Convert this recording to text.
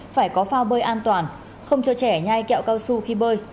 phải có phao bơi an toàn không cho trẻ nhai kẹo cao su khi bơi